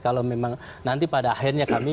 kalau memang nanti pada akhirnya kami